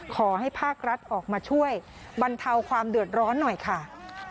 ขอให้ภาครัฐออกมาช่วยบรรเทาความเดือดร้อนหน่อยค่ะ